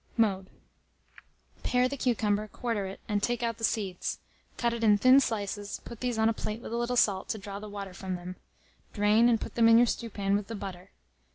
Mode. Pare the cucumber, quarter it, and take out the seeds; cut it in thin slices, put these on a plate with a little salt, to draw the water from them; drain, and put them in your stewpan, with the butter.